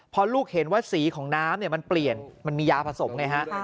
พอลูกเห็นว่าสีของน้ำมันเปลี่ยนมันมียาผสมไงฮะ